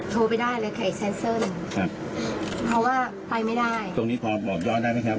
โทรไปได้เลยไข่แซนเซิลครับเพราะว่าไปไม่ได้ตรงนี้พอบอกยอดได้ไหมครับ